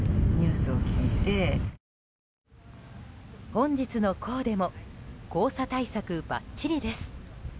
本日のコーデも黄砂対策ばっちりです。